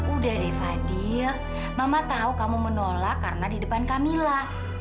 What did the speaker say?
udah deh fadil mama tau kamu menolak karena di depan kamila